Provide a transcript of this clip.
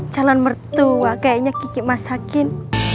jalan mertua kayaknya kiki mas hakin